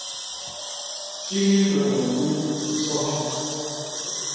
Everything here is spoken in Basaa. Kiñil me wom unu, soho!